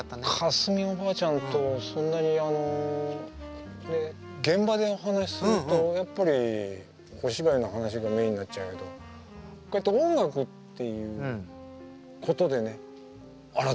架純おばあちゃんとそんなにあの現場でお話しするとやっぱりお芝居の話がメインになっちゃうけどこうやって音楽っていうことでねあら